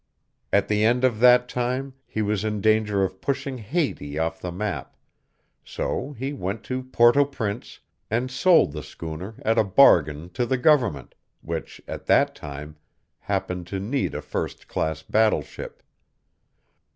At the end of that time he was in danger of pushing Haiti off the map, so he went to Port au Prince and sold the schooner at a bargain to the government, which, at that time, happened to need a first class battle ship.